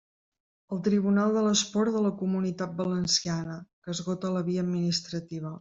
El Tribunal de l'Esport de la Comunitat Valenciana, que esgota la via administrativa.